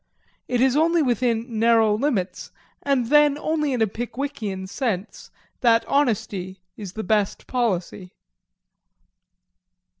It is only within narrow limits, and then only in a Pickwickian sense, that honesty is the best policy.